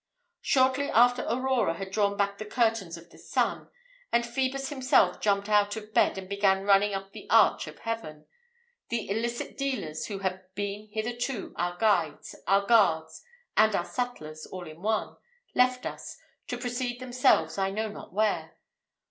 "Shortly after Aurora had drawn back the curtains of the Sun, and Ph[oe]bus himself jumped out of bed and began running up the arch of heaven, the illicit dealers, who had been hitherto our guides, our guards, and our suttlers, all in one, left us, to proceed themselves I know not where.